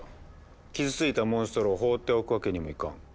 傷ついたモンストロを放っておくわけにもいかん。